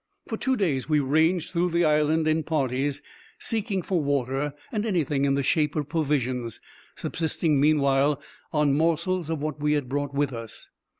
For two days we ranged through the island in parties, seeking for water, and anything in the shape of provisions, subsisting, meanwhile, on morsels of what we had brought with us.